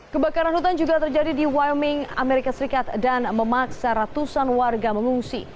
kebakaran hutan juga terjadi di wirming amerika serikat dan memaksa ratusan warga mengungsi